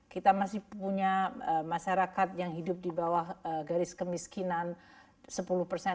kita masih punya masyarakat yang hidup di bawah garis kemiskinan sepuluh persen